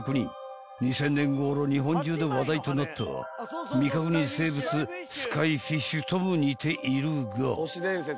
［２０００年ごろ日本中で話題となった未確認生物スカイフィッシュとも似ているが］